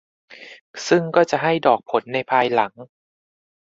ซึ่งก็จะให้ดอกผลในภายหลัง